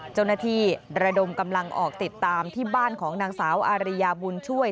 ระดมกำลังออกติดตามที่บ้านของนางสาวอาริยาบุญช่วย